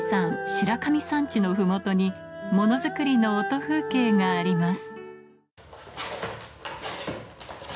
白神山地の麓に物作りの音風景があります